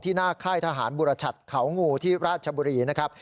หน้าค่ายทหารบุรชัดเขางูที่ราชบุรีนะครับ